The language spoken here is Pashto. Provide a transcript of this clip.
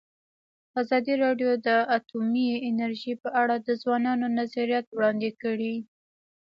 ازادي راډیو د اټومي انرژي په اړه د ځوانانو نظریات وړاندې کړي.